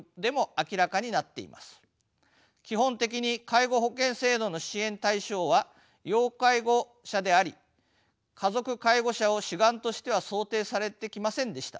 基本的に介護保険制度の支援対象は要介護者であり家族介護者を主眼としては想定されてきませんでした。